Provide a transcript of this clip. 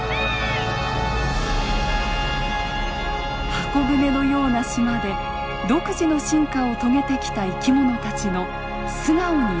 箱船のような島で独自の進化を遂げてきた生き物たちの素顔に迫ります。